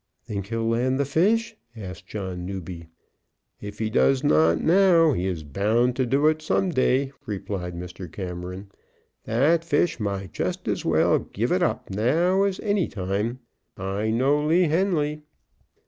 "Think he'll land the fish?" asked John Newby. "If he does not now, he is bound to do it some day," replied Mr. Cameron. "That fish might just as well give it up now as any time. I know Lee Henly."